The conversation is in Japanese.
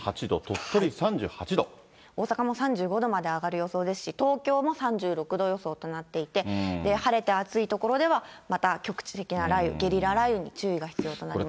大阪も３５度まで上がる予想ですし、東京も３６度予想となっていて、晴れて暑い所では、また局地的な雷雨、ゲリラ雷雨に注意が必要となります。